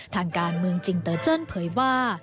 ทางการเมืองจิงเตอร์เจิ้นเผยว่า